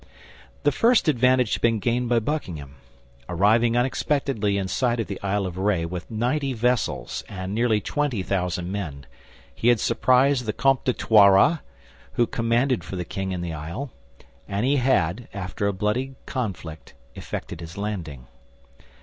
The first advantage had been gained by Buckingham. Arriving unexpectedly in sight of the Isle of Ré with ninety vessels and nearly twenty thousand men, he had surprised the Comte de Toiras, who commanded for the king in the Isle, and he had, after a bloody conflict, effected his landing.